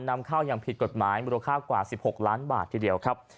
นำเข้าอย่างผิดกฎหมายมูลค่ากว่า๑๖ล้านบาททีเดียวครับ